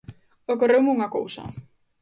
Ocorreume unha cousa.